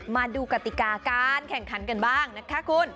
มาดูกติกาการแข่งขันกันบ้างนะคะคุณ